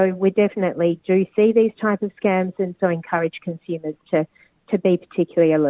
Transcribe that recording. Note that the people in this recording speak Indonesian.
kami pasti melihat penipuan amal palsu ini dan memanfaatkan pengguna untuk berhati hati